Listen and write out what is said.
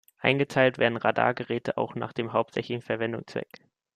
Eingeteilt werden Radargeräte auch nach dem hauptsächlichen Verwendungszweck.